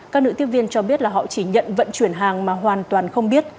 các nữ tiếp viên cho biết là họ chỉ nhận vận chuyển hàng mà hoàn toàn không biết